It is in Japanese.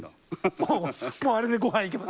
もうもうあれでご飯いけます？